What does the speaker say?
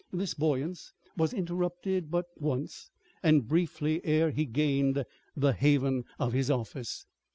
This buoyance was interrupted but once, and briefly, ere he gained the haven of his office.